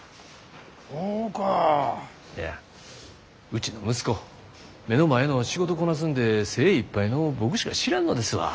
うちの息子目の前の仕事こなすんで精いっぱいの僕しか知らんのですわ。